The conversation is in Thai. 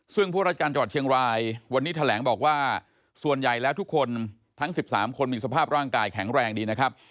ซึ่งผู้ราชการจังหวัดเชียงรายวันนี้แถลงบอกว่าส่วนใหญ่แล้วทุกคนทั้ง๑๓คนมีสภาพร่างกายแข็งแรงดีนะครับ